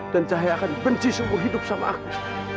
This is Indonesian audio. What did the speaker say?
dan cahaya akan benci seumur hidup sama aku